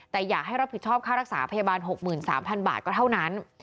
แต่อยากให้รับผิดชอบค่ารักษาพยาบาล๖๓๐๐บาทก็เท่านั้น